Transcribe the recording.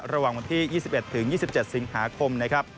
ระหว่างวันที่๒๑ถึง๒๗สิงหาคม